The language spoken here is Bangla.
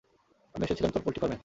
আমি এসেছিলাম তোর পোল্ট্রি ফার্মে।